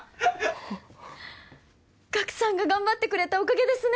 ガクさんが頑張ってくれたおかげですね